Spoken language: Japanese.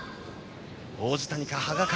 王子谷か、羽賀か。